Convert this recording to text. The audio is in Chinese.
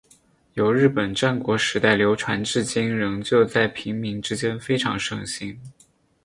由日本战国时代流传至今依旧在平民之间非常盛行。